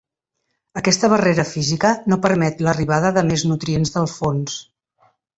Aquesta barrera física no permet l’arribada de més nutrients del fons.